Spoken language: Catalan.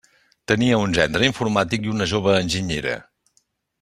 Tenia un gendre informàtic i una jove enginyera.